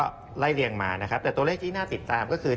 ก็ไล่เรียงมานะครับแต่ตัวเลขที่น่าติดตามก็คือ